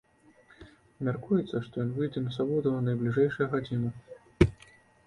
Мяркуецца, што ён выйдзе на свабоду ў найбліжэйшыя гадзіны.